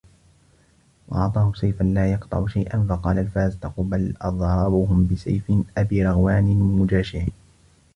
وَأَعْطَاهُ سَيْفًا لَا يَقْطَعُ شَيْئًا فَقَالَ الْفَرَزْدَقُ بَلْ أَضْرَبُهُمْ بِسَيْفِ أَبِي رَغْوَانَ مُجَاشِعِ